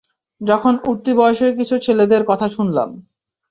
যখন উঠতি বয়সের কিছু ছেলেদের কথা শুনলাম।